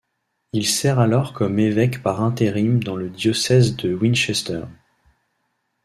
Il sert alors comme évêque par intérim dans le diocèse de Winchester.